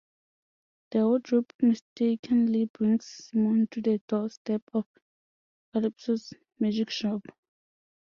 The wardrobe mistakenly brings Simon to the door-step of Calypso's Magic Shop.